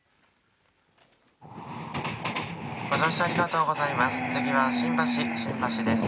ご乗車ありがとうございます。